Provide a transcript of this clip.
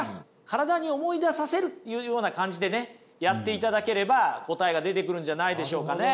体に思い出させるっていうような感じでねやっていただければ答えが出てくるんじゃないでしょうかね。